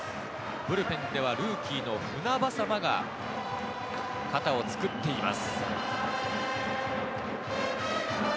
ブルペンではルーキーの船迫が肩をつくっています。